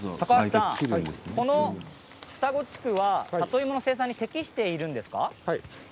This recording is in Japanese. この二子地区は里芋の生産に適しているんですか？